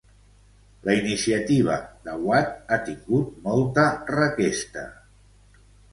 La iniciativa d'Awad ha tingut molta requesta.